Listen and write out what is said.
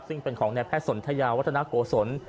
ซึ่งเป็นของนายแพทย์สนทยาวัฒนาโกศล